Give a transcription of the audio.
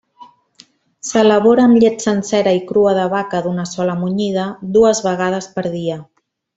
S'elabora amb llet sencera i crua de vaca d'una sola munyida dues vegades per dia.